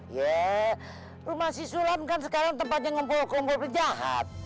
iya rumah si sulam kan sekarang tempatnya ngumpul kumpul penjahat